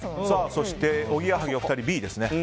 そして、おぎやはぎのお二人はＢですね。